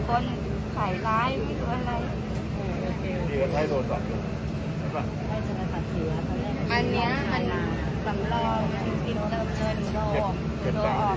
โอ้โอ้โอ้โอ้